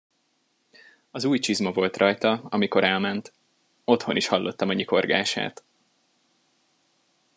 Az új csizma volt rajta, amikor elment; otthon is hallottam a nyikorgását.